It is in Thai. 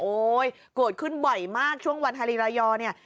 เกิดขึ้นบ่อยมากช่วงวันฮารีรายอร์เนี่ย